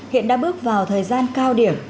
hiện đã bước vào thời gian cao điểm